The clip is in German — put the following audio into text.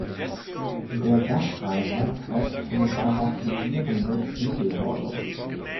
Der Dachreiter trägt eine barockisierende Zwiebelhaube.